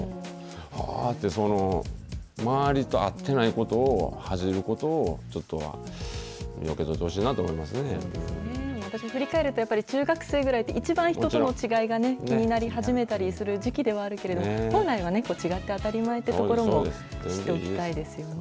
あーって、周りと合ってないことを恥じることをちょっとよけといてほしいな私振り返ると、中学生ぐらいって、一番人との違いがね、気になり始めたりする時期ではあるけれども、本来は違って当たり前ということも知っておきたいですよね。